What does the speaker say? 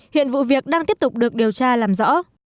hiện vụ việc đang tiếp tục được điều tra làm rõ